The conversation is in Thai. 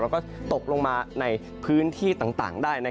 แล้วก็ตกลงมาในพื้นที่ต่างได้